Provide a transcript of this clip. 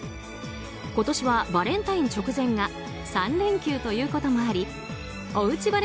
今年はバレンタイン直前が３連休ということもありおうち